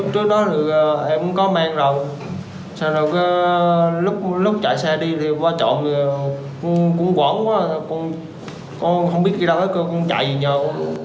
sau đó lúc chạy xe đi thì quá trộn cũng quẩn quá không biết đi đâu không chạy gì nhau